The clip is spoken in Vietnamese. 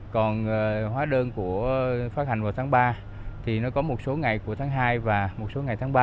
còn hóa đơn của phát hành vào tháng ba thì nó có một số ngày của tháng hai và một số ngày tháng ba